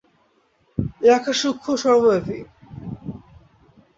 এই আকাশ সূক্ষ্ম ও সর্বব্যাপী।